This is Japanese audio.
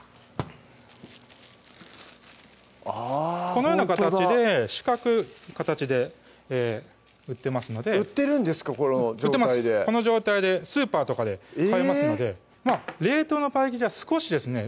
このような形で四角い形で売ってますので売ってるんですかこの状態でこの状態でスーパーとかで買えますので冷凍のパイ生地は少しですね